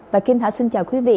và kim thảo xin chào quý vị